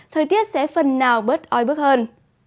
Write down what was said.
thời tiết sẽ phần nào bớt ói bức hơn